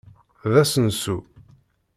D asensu.